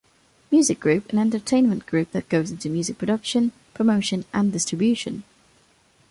Music Group, an entertainment group that goes into music production, promotion and distribution.